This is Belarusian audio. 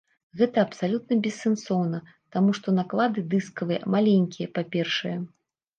Гэта абсалютна бессэнсоўна, таму што наклады дыскавыя маленькія, па-першае.